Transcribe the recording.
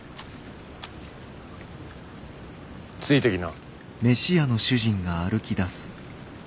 ついてきな。